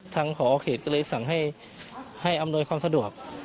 หอเขตก็เลยสั่งให้อำนวยความสะดวก